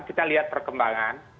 kita lihat perkembangan